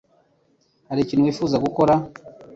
Hari ikintu wifuza gukora?